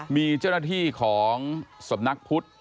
มีเจ้าหน้าที่ของสำนักพุทธ